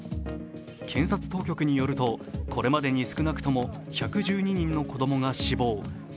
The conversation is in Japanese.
検察当局によるとこれまでに少なくとも１１２人の子供が死亡。